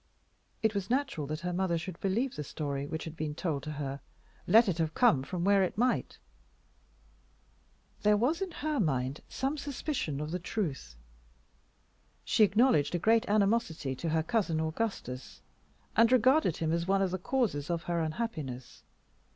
It was natural that her mother should believe the story which had been told to her, let it have come from where it might. There was in her mind some suspicion of the truth. She acknowledged a great animosity to her cousin Augustus, and regarded him as one of the causes of her unhappiness.